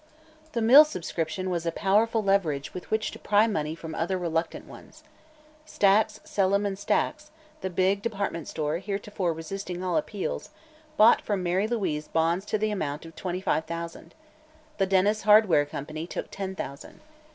The mill subscription was a powerful leverage with which to pry money from other reluctant ones. Stacks, Sellem & Stacks, the big department store heretofore resisting all appeals, bought from Mary Louise bonds to the amount of twenty five thousand; the Denis Hardware Company took ten thousand.